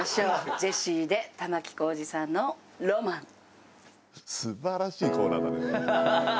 ジェシーで玉置浩二さんの『ロマン』素晴らしいコーナーだね。